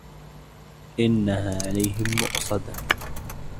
إِنَّهَا عَلَيْهِم مُّؤْصَدَةٌ